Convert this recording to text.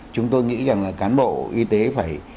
chúng tôi nghĩ rằng là cán bộ y tế phải